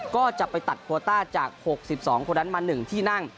ก็จะไปตัดโควต้าจาก๖๒คนนั้นมา๑ที่นั่ง